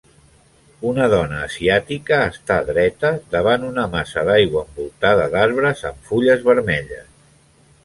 Una dona asiàtica està dreta davant una massa d'aigua envoltada d'arbres amb fulles vermelles.